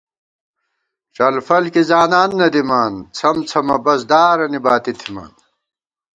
ڄلفل کی زانان نہ دِمان، څھمڅھمہ بس دارَنی باتی تھِمان